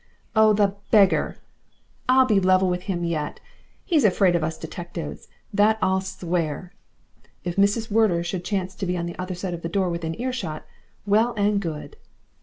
"Oh, the BEGGAR! I'll be level with him yet. He's afraid of us detectives that I'll SWEAR." (If Mrs. Wardor should chance to be on the other side of the door within earshot, well and good.)